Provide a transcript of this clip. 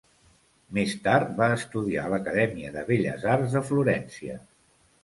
Més tard va estudiar a l'Acadèmia de Belles Arts de Florència.